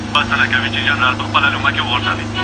څنګه یو شخص سیاسي کډوال ګڼل کیږي؟